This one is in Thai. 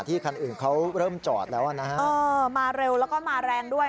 ถ้ามันมีค่าใช้จ่ายเยอะเราก็ค่าใช้จ่ายเยอะด้วย